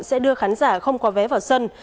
sẽ đưa khán giả không có vé vào sân